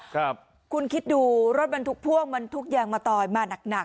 ครับคุณคิดดูรถบรรทุกพ่วงบรรทุกยางมะตอยมาหนักหนัก